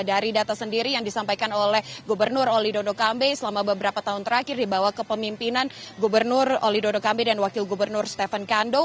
dari data sendiri yang disampaikan oleh gubernur oli dondo kambe selama beberapa tahun terakhir dibawa ke pemimpinan gubernur oli dodo kambe dan wakil gubernur stephen kando